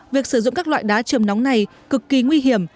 việc sử dụng các loại đá trường nóng này cực kỳ nguy hiểm